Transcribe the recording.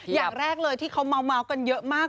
อย่างแรกเลยที่เขาเมาส์กันเยอะมาก